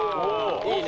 いいね。